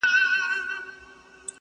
د غرو لمنو کي اغزیو پیرې وکرلې!